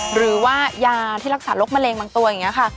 หรือว่ายาที่รักษาโรคมะเร็งบางตัวอย่างนี้ค่ะ